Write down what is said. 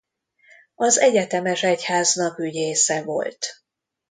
Az egyetemes egyháznak ügyésze volt.